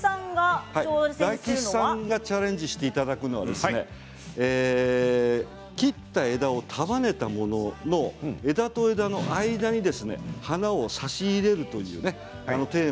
大吉さんにチャレンジしていただくのは切った枝を束ねたもの枝と枝の間に花を挿し入れるというテーマ